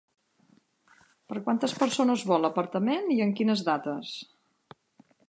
Per a quantes persones vol l'apartament i en quines dates?